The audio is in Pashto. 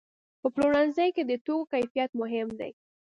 په پلورنځي کې د توکو کیفیت مهم دی.